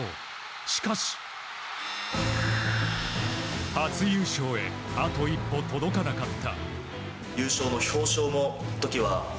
しかし、初優勝へあと一歩届かなかった。